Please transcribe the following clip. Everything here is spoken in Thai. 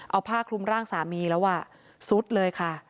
เอาผ้าคลุมร่างสามีแล้วซุดเลยค่ะ